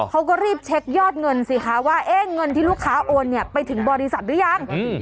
เขาก็รีบเช็คยอดเงินสิคะว่าเงินที่ลูกค้าโอนเนี่ยไปถึงบริษัทหรือยัง